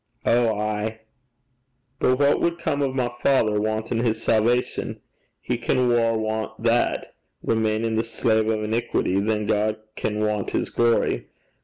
'Ow ay.' 'But what wad come o' my father wantin' his salvation? He can waur want that, remainin' the slave o' iniquity, than God can want his glory.